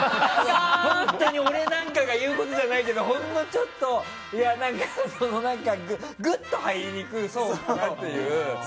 本当に俺なんかが言うことじゃないけどほんのちょっとなんかぐっと入りにくそうだなっていう。